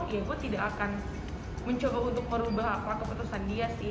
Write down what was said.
ya gue tidak akan mencoba untuk merubah apa keputusan dia sih